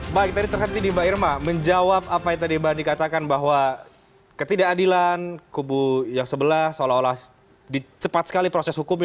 baik tadi terhenti di mbak irma menjawab apa yang tadi mbak andi katakan bahwa ketidakadilan kubu yang sebelah seolah olah cepat sekali proses hukumnya